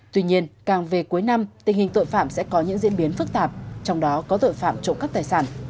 tuy nhiên càng về cuối năm tình hình tội phạm sẽ có những diễn biến phức tạp trong đó có tội phạm trộm cắp tài sản